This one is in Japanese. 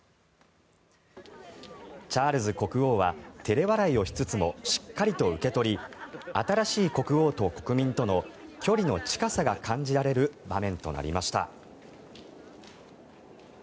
チャールズ国王は照れ笑いをしつつもしっかりと受け取り新しい国王と国民との距離の近さが感じられる場面となりました。